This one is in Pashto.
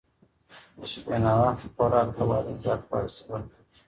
د شپې ناوخته خوراک د وزن زیاتوالي سبب کېږي.